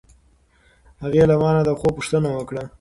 هغې له ما نه د خوب پوښتنه وکړه.